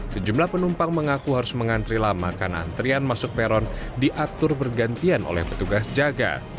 sejumlah penumpang mengaku harus mengantri lama karena antrian masuk peron diatur bergantian oleh petugas jaga